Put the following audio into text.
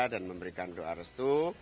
dan memberikan doa restu